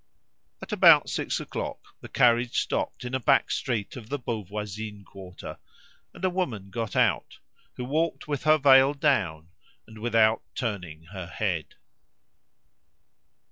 At about six o'clock the carriage stopped in a back street of the Beauvoisine Quarter, and a woman got out, who walked with her veil down, and without turning her head.